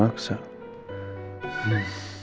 padahal biasanya kan dia suka maksa